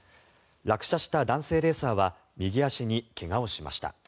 落車した男性レーサーは右足に怪我をしました。